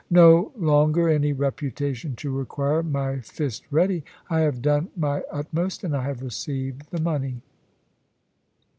No longer any reputation to require my fist ready. I have done my utmost, and I have received the money.